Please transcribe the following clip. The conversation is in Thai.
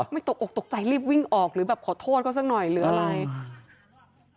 ตกอกตกใจรีบวิ่งออกหรือแบบขอโทษเขาสักหน่อยหรืออะไร